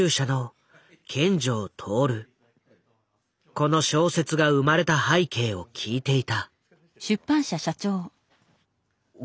この小説が生まれた背景を聞いていた。